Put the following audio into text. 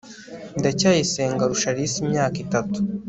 ndacyayisenga arusha alice imyaka itatu